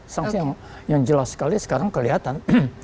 sanksi yang jelas sekali sekarang kelihatan